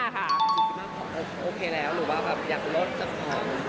๔๕ค่ะโอเคแล้วหรือเปล่าอยากลดสำคัญ